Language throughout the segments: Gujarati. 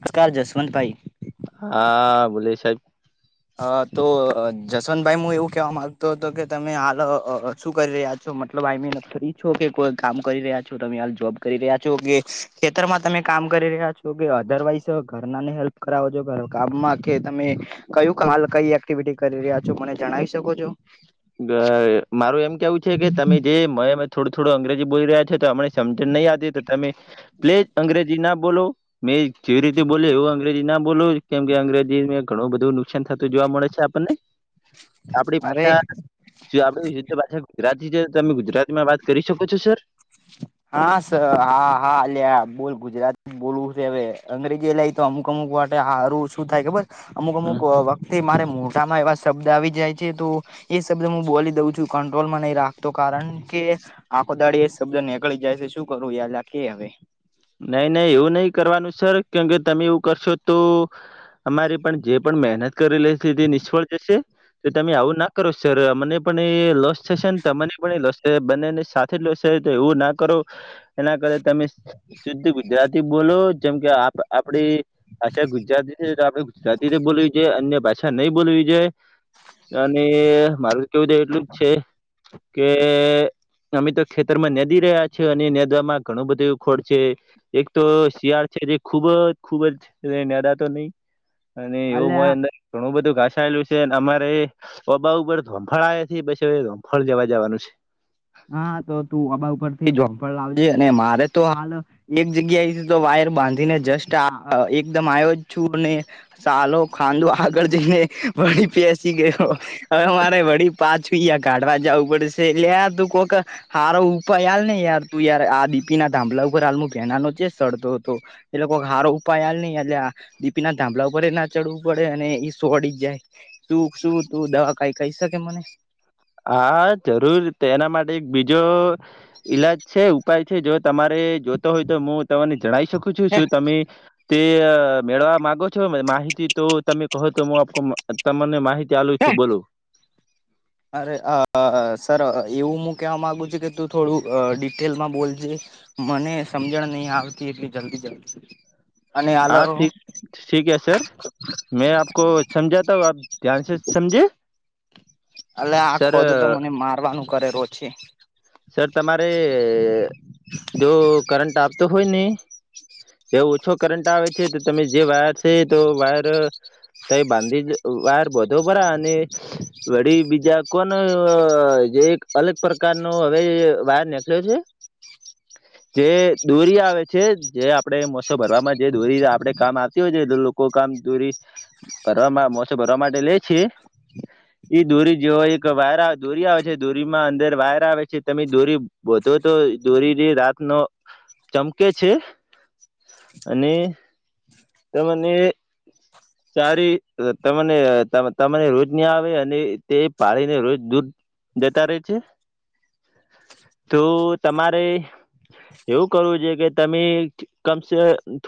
નમસ્કાર જસવંતભાઈ હા બોલે સાહેબ અ તો જસવંતભાઈ હું એવું કવા માંગતો હતો કે તમે હાલ શું કરી રહ્યા મતલબ આઈ મીન ફ્રી છો કે કોઈ કામ કરી રહ્યા છો તમે હાલ જોબ કરી રહ્યા છો કે ખેતરમાં તમે કામ કરી રહ્યા છો કે અધરવાઈઝ ઘરના ને હેલ્પ કરાવો છો કામમાં કે તમે કયું હાલ કઈ એક્ટિવિટી કરી રહ્યા છો મને જણાવી શકો છો ગ મારું એમ કેવું છે કે તમે જે મ થોડું થોડું અંગ્રેજી બોલી રહ્યા છે તો હમને સમજ ન નહીં આતી તો તમે પ્લીઝ અંગ્રેજી ના બોલો મે કેવી રીતે બોલીએ એવું અંગ્રેજી ના બોલો કેમ કે અંગ્રેજીને ઘણું બધું નુકસાન થતું જોવા મળે છે આપણને આપડી અરે ભાષા જે આપડી શુદ્ધ ભાષા ગુજરાતી છે તમે ગુજરાતી માં વાત કરી શકો છો સર હા સર હા હા આલ્યા બોલ ગુજરાત બોલવું છે હવે અંગ્રેજી એ લઈ તો અમુક અમુક માટે હારું શું થાય ખબર? અમુક-અમુક હમ. વખતે મારે મોટામાં એવા શબ્દ આવી જાય છે તો એ શબ્દ હું બોલી દઉ છું કંટ્રોલમાં નહીં રાખતો કારણ કે આખો દાડ એ શબ્દ નેકળી જાય છે શું કરવું યાદ રાખીએ અવે નહીં નહીં એવું નહીં કરવાનું સર કેમ કે તમે એવું કરશો તો અમારી પણ જે પણ મહેનત કરીલી હશે તે નિષ્ફળ જશે. તો તમે આવું ના કરો સર અમને પણ એ લોસ થશે ને તમારી પણ એ લોસ થશે બંનેને સાથે જ લોસ થશે એવું ના કરો એના કરે તમે શુદ્ધ ગુજરાતી બોલો જેમ કે આ આપડી ભાષા ગુજરાતી છે તો આપડે ગુજરાતી બોલવી જોઈએ, અન્ય ભાષા નહીં બોલવી જોઈએ. અને મારું કેવું છે એટલું જ છે કે અમે તો ખેતરમાં નેદી રહ્યા છીએ અને નેદવામાં ઘણો બધો એવ ખોડ છે એક તો શિયાળ છે જે ખૂબ ખૂબ જ એને અડાતો નહીં. અને એવું અલ્યા હોય અંદર ઘણું બધું ઘાસાયેલું છે અમારે ઓબા ઉપર ધોમફળ આયવા થી પઈ ધમફળ લેવા જવાનું છે. હા તો તું આબા ઉપરથી જોબ પણ લાવજે અને મારે તો હાલ એક જગ્યાએથી તો વાયર બાંધીને જસ્ટ આ એકદમ આયો જ છું અને સાલો ખાન્દો આગળ જઈને વળી પેસી ગયો. હવે મારે વળી પાછું યા કાઢવા જાવું પડશે લ્યા તું કોક હારો ઉપાઈ આલને યાર તું યાર આ ડીપીના થાભલા ઉપર હાલ ભેનાનો છે સડતો હતો. એલો કોક હારો ઉપાય આલને અલ્યા. ડીપીના થાંભલા ઉપર એય ના ચડવું પડે અને ઈ સો અડી જાય. તું શું તું દવા ખઈ કઈ શકે મને? હા જરૂર તો એના માટે એક બીજો ઈલાજ છે. ઉપાય છે જો તમારે જોતો હોય તો મુ તમને જણાઈ શકું છું શું તમે તે મેળવા માગો છો મેં માહિતી તો તમે કહો તો હું આપવામાં તમને માહિતી આલું છું બોલો. [inaudible] અરે અ અ સર એવું મુ કહેવા માગું છું કે તું થોડું અ ડિટેલમાં બોલજે. મને સમજણ નઈ આવતી એટલી જલ્દી જલ્દી. અને હા થીક આલે ઠીક હૈ સર. મેં આપકો સમજાતા હું, આપ ધ્યાન સે સમજે. અલા આ સર ખોદું તો મને મારવાનું કરે રો છે. સર તમારે જો કરંટ આપતો હોય ને એ ઓછો કરંટ આવે છે તો તમે જે વાયર છે તો વાયર તઈ બાંધી જ વાયર બોન્ધો ખરા અને વળી બીજા કોન અ જે એક અલગ પ્રકારનો હવે વાયર નેકળ્યો છે. [unintelligible] જે દોરી આવે છે જે આ આપણે મોસો ભરવામાં જે દોરી આપડે કામ આવતી હોય છે લોકો કામ દોરી ભરવામાં મોસે ભરવા માટે લે છે. [inaudible] એ દોરી જેવો એક વાયર આવે દોરી આવે છે દોરીમાં અંદર વાયર આવે છે તમે દોરી બોધો તો દોરી જે રાતનો ચમકે છે. અને તમને હ સારી તમને તમ તમને રોજની આવે અને તે પાળીને રોજ દૂધ દેતા રેય છે. તો તમારે એવું કરવું જોઈએ કે તમે કમસે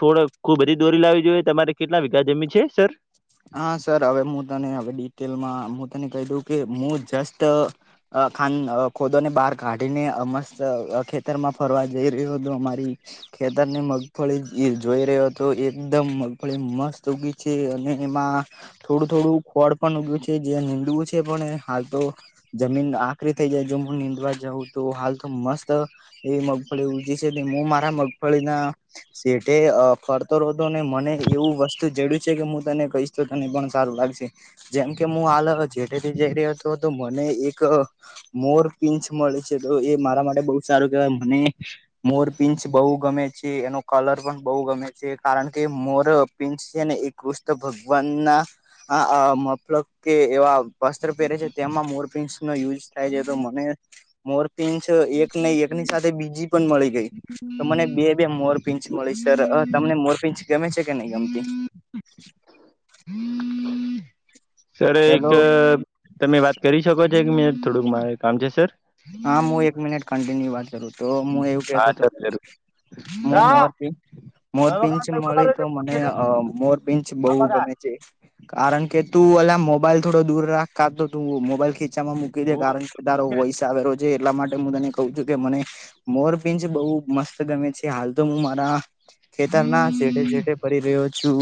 થોડાક ખૂબ બધી દોરી લાવવી જોઈએ તમારે કેટલા વીઘા જમીન છે સર? હા, સર હવે હું તને હવે ડિટેલમાં હું તને કહી દઉ કે હું, જસ્ટ અ ખાન ખોદો ને બહાર કાઢીને અ મસ્ત ખેતર માં ફરવા જઈ રહ્યો તો અમારી ખેતરની મગફળી એ જોઈ રહ્યો હતો એકદમ મગફળી મસ્ત ઊગી છે અને એમાં થોડું થોડું ફળ પણ ઊગ્યું છે જે નીડું છે પણ હાલ તો જમીન આકરી થઈ જાય જો હું નીંદવા જઉં તો હાલ તો મસ્ત અ એ મગફળી ઊગી છે તે મે મારા મગફળી ના સેટે અ ફરતો રહતો ને મને એવું વસ્તુ જેડ્યું છે કે હું તને કઈશ તો તને પણ સારું લાગશે જેમ કે મું હાલ જેઠે થી જઈ રહ્યો હતો હતો મને એક મોરપીંછ મળી છે તો એ મારા માટે બહુ સારું કેહવાય મને મોરપીંછ બહુ ગમે છે એનો કલર પણ બહુ ગમે છે, કારણ કે મોરપીંછ છે ને એક કુષ્ણ ભગવાન ના આ મતલબ કે એવા વસ્ત્ર પહેરે છે તેમાં મોરપીંછ નો યુઝ થાય છે તો મને મોરપીંછ એક નઈ એક ની સાથે બીજી પણ મળી ગઈ તો મને બે બે મોરપીંછ મળી સર તમને મોરપીંછ ગમે છે કે નહી ગમતી સર એક હેલો અ તમે વાત કરી શકો છો એક મિનિટ મારે થોડું મારે કામ છે સર હા, હું એક મિનિટ કન્ટિન્યુ વાત કરું તો, મુ એવું કેતો હા તો સર કે જરૂર મુ મોરપીંછ મોરપીંછ મળી તો મને અ મોરપીંછ બહુ ગમે કારણ કે તું અલા મોબાઈલ થોડો દૂર રાખ કાતો તું મોબાઈલ ખીચામાં મુ કારણ કે તારો વોઈસ આવેલો છે એટલા માટે હું તને કહું છું કે મને મોરપિંછ બહુ મસ્ત ગમે છે હાલ તો હું મારા ખેતરના જેટે જેટે ફરી રહ્યો છું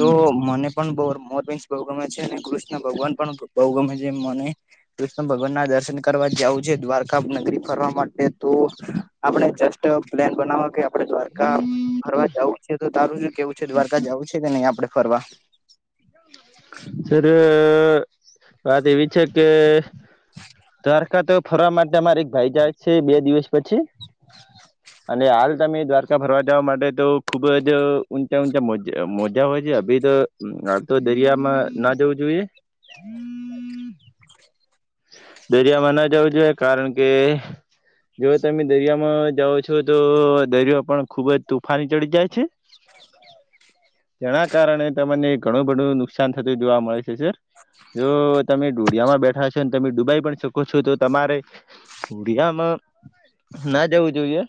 તો મને પણ બઉ મોર મોરપીંછ બહુ ગમે છે અનેને કૃષ્ણ ભગવાન પણ બહુ ગમે જે મને કૃષ્ણ ભગવાન ના દર્શન કરવા જવું છે દ્વારકા નગરી ફરવા માટે તો આપડે જસ્ટ પ્લાન બનાવ કે આપડે દ્વારકા ફરવા જવું છે તો તારું શ કેવું છે છે દ્વારકા જવું છે કે નહી આપડે ફરવા અરર વાત એવી છે કે દ્વારકા તો ફરવા માટે અમારે એક ભાઈ જાય છે બે દિવસ પછી [inaudible] અને હાલ તમે દ્વારકા ભરવા જવા માટે તો ખૂબ જ ઊંચા ઊંચા મોજા મોજા હોય છે અ બી તો હાલ તો દરિયામાં ના જવું જોઈએ દરિયામાં ન જવું જોઈએ કારણ કે જો તમે દરિયામાં જાઓ છો તો દરિયો પણ ખુબ જ તુફાની ચડી જાય છે? [inaudible] જેના કારણે તમને ઘણું બધું નુકસાન થતું જોવા મળે છે સર જો તમે ઢોળિયા માં બેઠા તમે ડુબાઈ પણ શકો છો તો તમારે ભીહામાં ના જવું જોઈએ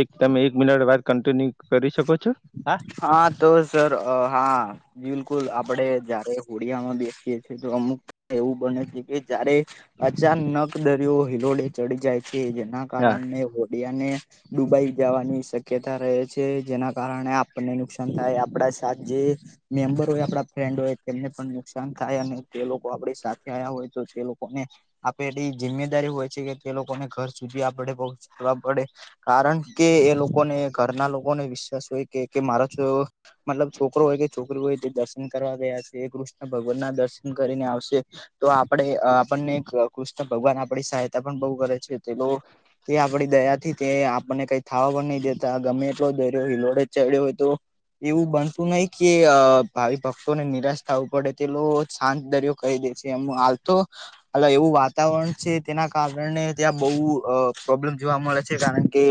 એક તમે એક મિનટ બાદ કન્ટિન્યુ કરી શકો છો, હા હા, તો સર હા બિલકુલ, આપડે જયારે હોડિયામાં બેસીએ છે તો અમુક એવું બને છે કે જયારે અચાનક દરિયો હિલોડે ચડી જાય છે જેના હા કારણે હોડિયા ને ડુબાઈ જવાની શક્યતા રહે છે જેના કારણે આપણને નુકસાન થાય આપણા સાથ જે મેમ્બર હોય આપણા ફ્રેન્ડ હોય તેમને પણ નુકસાન થાય અને તે લોકો આપડી સાથે આયા હોય તો તે લોકોને આપેડી જિમ્મેદારી હોય છે કે તે લોકોને ઘર સુધી આપડે પહોંચવા પડે કારણ કે એ લોકોને ઘરના લોકોને વિશ્વાસ હોય કે કે મારો છો મતલબ છોકરો હોય કે છોકરી હોય તે દર્શન કરવા ગયા છે કૃષ્ણ ભગવાન ના દર્શન કરીને આવશે તો આપણે આપણને કૃષ્ણ ભગવાન આપણી સહાયતા પણ બહુ કરે છે તે તે આપડી દયા થી તે આપણને કઈ થાવા પણ નહી દેતા ગમે એટલો દરયો હિલોડે ચડ્યો હોય તો એવું બનતું નહી કે અ ભાવિ ભક્તોને નિરાશ થવું પડે તે લોકો શાંત દરિયો કહી દે છે એમ હાલતો હવે એવું વાતાવરણ છે તેના કારણે ત્યાં બઉ અ પ્રોબ્લેમ જોવા મળે છે કારણ કે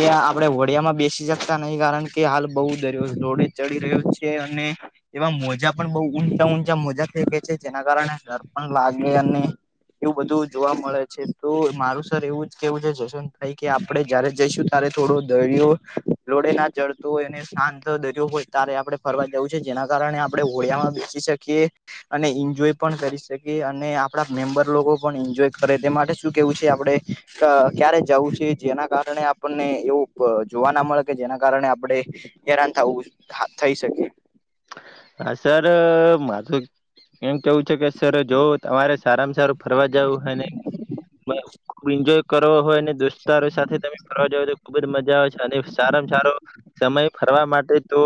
એ આપણેે હોડિયા માં બેસી શકતા નહી કારણ કે હાલ બઉ દરિયો રોડે ચડી રહ્યો છે અને એમાં મોજા પણ બહુ ઊંચા ઊંચા મજા થઈ ગઈ છે જેના કારણે ડર પણ લાગે અને એવું બધું જોવા મળે છે તો મારું સર એવું જ કેવું છે જશવંતભાઈ કે આપડે જયારે જઈશું. ત્યારે થોડો દરિયો જોડે ના જ તો એને શાંત દરિયો હોય ત્યારે આપણે ફરવા જવું છે જેના કારણે આપણે હોડિયામાં બેસી શકીએ. અને ઈન્જોય પણ કરી શકીએ અને આપડા મેમ્બર લોકો પણ ઈન્જોય કરે તે માટે શું કેવું છે આપણે અ ક્યારે જવું છે જેના કારણે આપણને એવું જોવા ના મળે કે જેના કારણે આપડે હેરાન થવું થા થઈ શકે. હા સર માથુજ એમ કેવું છે કે સર જો તમારે સારામાં સારું ફરવા જવું હોય ને ખુબ ઈન્જોય કરો દોસ્તારો સાથે તમે ફરવા જાવ તો ખુબ જ મજા આવે છે અને સારામાં સારો સમય ફરવા માટે તો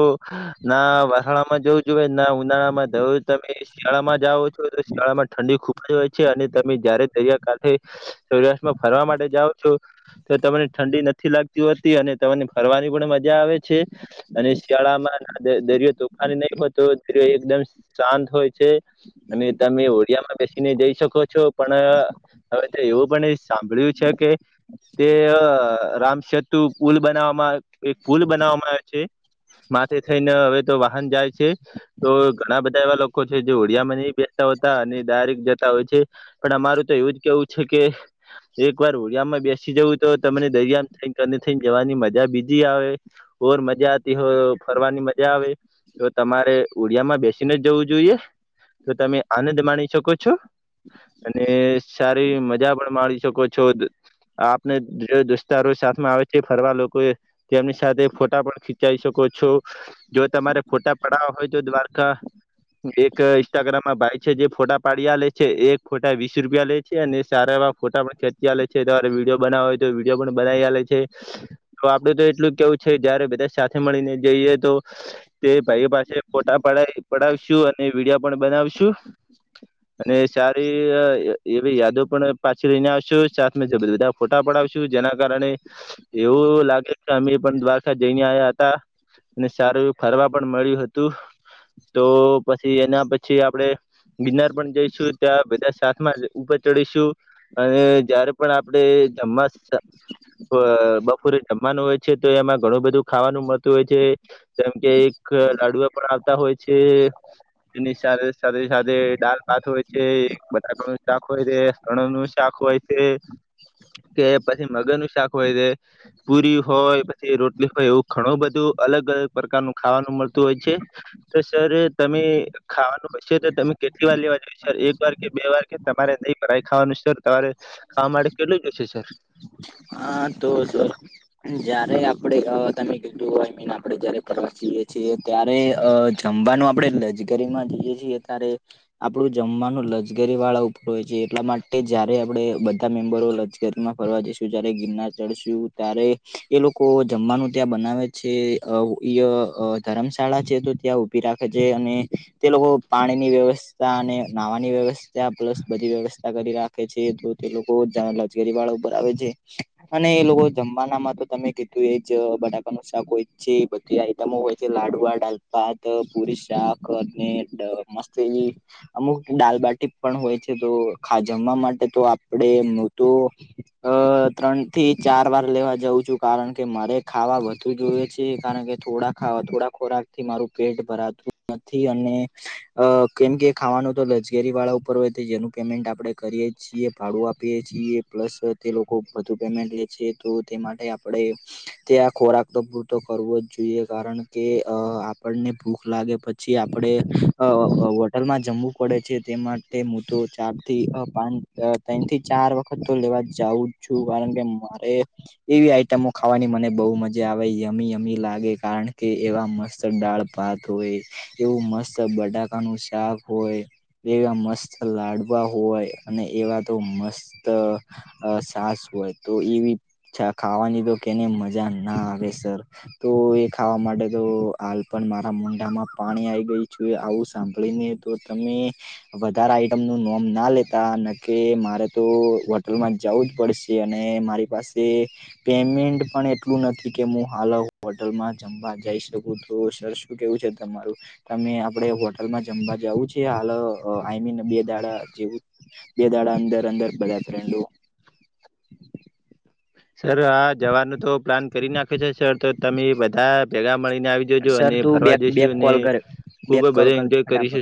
ના ઉથાળામાં જવું જોઈએ ના ઉનાળામાં જ તમે શિયાળામાં જાઓ છો તો શિયાળામાં ઠંડી ખૂબ જ હોય છે અને તમે જયારે દરિયાકાઠે સૂર્યાસ્તમાં ફરવા માટે જાઓ છો તો તમને ઠંડી નથી લાગતી હોતી અને તમને ફરવાની પણ મજા આવે છે. અને શિયાળામાં રાથે દરિયો તોફાની નહી હો તો દરિયો એકદમ શાંત હોય છે. અને તમે ઓડિયા માં બેસીને જઈ શકો છો. પણ હવે એવું પણ સાંભળ્યું છે કે તે રામસેત્રુ પુલ બનાવવામાં એક પૂલ બનાવવામાં આવે છે. માથે થઈને હવે તો વાહન જાય છે તો ઘણા બધા એવા લોકો છે જે ઓડિયામાં નહિ બે તોતા અને ડાયરેક જતા હોય છે પણ અમારું તો એવું જ કેવું છે કે એક વાર ઓડિયામાં બેસી જવું તો તમને દરિયામાં થઈને અને થઈને જવાની મજા બીજી આવે. બોર મજા હતીતી હો ફરવાની મજા આવે. તો તમારે ઉડિયામાં બેસીને જ જવું જોઈએ તો તમે આનંદ માણી શકો છો. અને સારી મજા પણ માણી શકો છો. આપને જે દોસ્તારો સાથમાં આવે છે ફરવા લોકો એ તેમની સાથે ફોટા પણ ખીચી શકો છો જો તમારે ફોટા પડવા હોય તો દ્વારકા એક ઇન્સ્ટાગ્રામમાં ભાઈ છે જે ફોટા પાડયા લે છે એક ફોટા વીસ રૂપિયા લે છે અને સારા એવા ફોટા પણ ખેંચી આલે છે તમારે વિડીયો બનાવો હોય તો વિડીયો પણ બનાવી આલે છે. તો આપડે તો એટલું કેવું છે જયારે બધા સાથે મળીને જઈએ તો તે ભાઈ પાસે ફોટા પડાવશું અને વિડીયો પણ બનાવશું. [inaudible] અને સારીઅ એવી યાદો પણ પાછી લઈને આવશો સાથે મે બધા બધા ફોટા પડાવશું જેના કારણે એવું લાગે કે અમે પણ દ્વારકા જઈને આવ્યા હતા. અને સારું એવ ફરવા પણ મળ્યું હતું તો પછી એના પછી આપડે ગિનાર પણ જઈશું ત્યાં બધા સાથ માં ઉપર ચડીશું અને જયારે પણ આપડે જમમા બપોરે જમવાનું હોય છે તો એમાં ઘણું બધું ખાવાનું મળતું હોય છે. જેમ કે એક લાડુઓ પણ આવતા હોય છે. તેની સાથે સાથે સાથે દાલ ભાત હોય છે બટાકાણું શાક હોય તે રણ નું શાક હોય છે કે પછી મગર નું શાક હોય છે. પુરી હોય પછી રોટલી હોય એવું ઘણું બધું અલગ અલગ પ્રકારનું ખાવાનું મળતું હોય છે. તો સર તમે ખાવાનું હશે તો તમે કેટલી વાર લેવા જોયે સર એક વાર કે બે વાર કે તમારે નહી ભય ખાવાનું સર તમારે ખાવા માટે કેટલું જોશે સર હા તો સર જયારે આપણેે તમે કીધું આઈ મીન આપડે જયારે ફેરવા છીએ જીયે ત્યારે અ જમવાનું આપણે લજગરીમાં જઈએ છીએ ત્યારે આપણું જમવાનું લજગરી વાળા ઉપર હોય છે એટલા માટે જ્યારે આપડે બધા મેમ્બરો લ માં ફરવા જશુ જયારે ગિરનાર ચડશું ત્યારે એ લોકો જમવાનું ત્યાં બનાવે છે ધર્મશાળા છે તો ત્યાં ઉભી રાખે છે અને તે લોકો પાણીની વ્યવસ્થા અને નાહવાની વ્યવસ્થા પ્લસ બધી વ્યવસ્થા કરી રાખ છે તો તે લોકો લગશેરી વાળો આવે છે અને એ લોકો જમવાનામાં તો તમે કીધું એ જ બટાકાનું શાક હોય છે બધી આઈટમો હોય લાડુઆ દાલપાત પુરી શાકને મસ્ત અમુક દાલબાટી પણ હોય છે તો ખા જમવા માટે તો આપડે નો તો હ ત્રણ થી ચાર વાર લેવા જાઉં છું કારણ કે મારે ખાવા વધુ જોઈએ છે કારણ કે થોડા ખા થોડા ખોરાક થી મારું પેટ ભરાતું નથી અને અ કેમ કે ખાવાનું તો લક્ઝેરી વાળા ઉપર હોય તો જેનું પેમેન્ટ આપડણે કરીએ છીએ ભાડું આપીએ છીએ પ્લસ તે લોકો વધુ પેમેન્ટ લે છે તો તે માટે આપણે તે આ ખોરાક તો પૂરતો કરવો જ જોઈએ કારણ કે અ આપણને ભૂખ લાગે પછી પછી આપણેે હોટલમાં જમવું પડે છે તે માટે તો ચાર થી પાંચ ત્રણ થી ચાર વખત તો લેવા જઉ છું કારણ કે મારે એવી આઈટમો ખાવાની મને બહુ મજા આવે યમીયમી લાગે કારણ કે એવા મસ્ત દાળ ભાત હોય એવું મસ્ત બટાકાનું શાક હોય એવા મસ્ત લાડવા હોય અને એવા તો મસ્ત છાસ હોય તો એવી ખાવાની તો કેને મજા ના આવે સર તો એ ખાવા માટે તો હાલ પણ મારા મોંઢમાં પાણી આવીઈ ગય જો આવું સાંભળીને તો તમે વધારે આઈટમ નું નોમ ના લેતા ન કે મારે તો હોટલમાં જવું જ પડશે અને મારી પાસે પેમેન્ટ પણ એટલું નથી કે હું હાલ હોટલમાં જમવા જઈ શકું સર કેવું છે તમારું તમે આપડે હોટલમાં જમવા જાવું છે હાલ આઈ મીન બે દાડા જેવું બે દાડા અંદર અંદર બધા ફ્રેડો સર આ જવાનું તો પ્લાન કરી નાખે છે સર તો તમે બધા ભેગા મળીને આવી જજો સર અને તું ફરવા બેક બેક જઈશું અને કોલ કર ખુબ બેક કોલ બધા કર એન્જોય ફટાફટ કરીશું